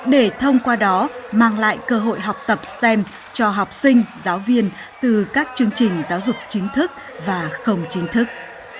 để thông qua đó mang lại cơ hội học tập stem cho học sinh giáo viên từ các chương trình giáo dục chính thức và không chính thức